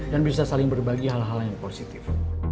dan bisa saling berbagi hal hal yang positif